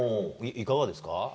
いかがですか？